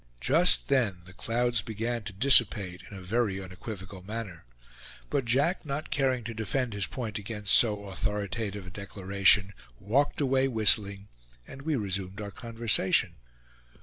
Just then the clouds began to dissipate in a very unequivocal manner; but Jack, not caring to defend his point against so authoritative a declaration, walked away whistling, and we resumed our conversation.